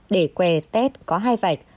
để que test có hai bạch